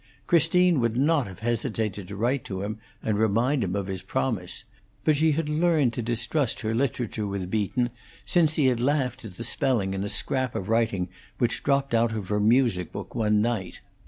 Christine would not have hesitated to write to him and remind him of his promise; but she had learned to distrust her literature with Beaton since he had laughed at the spelling in a scrap of writing which dropped out of her music book one night.